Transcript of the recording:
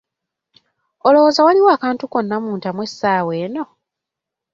Olowooza waliwo akantu konna mu ntamu essaawa eno.